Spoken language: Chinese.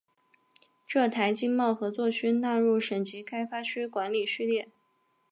浙台经贸合作区纳入省级开发区管理序列。